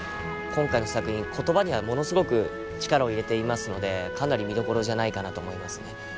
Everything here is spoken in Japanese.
今回の作品言葉にはものすごく力を入れていますのでかなり見どころじゃないかなと思いますね。